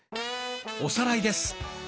おさらいです。